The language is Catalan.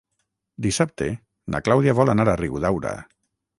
Dissabte na Clàudia vol anar a Riudaura.